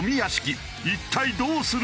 一体どうする？